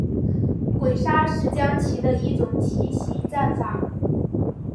鬼杀是将棋的一种奇袭战法。